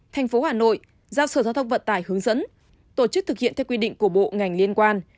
tp hcm giao sở giao thông vận tải hướng dẫn tổ chức thực hiện theo quy định của bộ ngành liên quan